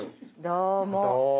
どうも。